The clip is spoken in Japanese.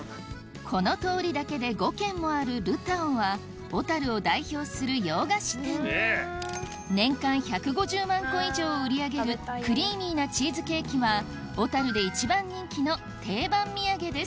この通りだけで５軒もあるルタオは小樽を代表する洋菓子店年間１５０万個以上を売り上げるクリーミーなチーズケーキは小樽で一番人気の定番土産です